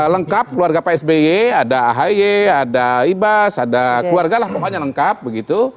lengkap keluarga pak sby ada ahy ada ibas ada keluarga lah pokoknya lengkap begitu